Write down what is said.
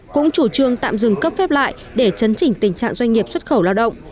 cũng chủ trương tạm dừng cấp phép lại để chấn chỉnh tình trạng doanh nghiệp xuất khẩu lao động